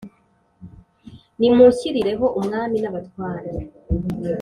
Nimunshyirireho umwami n’abatware!